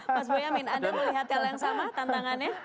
mas boyamin anda melihat hal yang sama tantangannya